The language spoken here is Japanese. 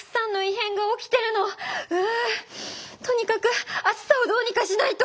ううとにかく暑さをどうにかしないと！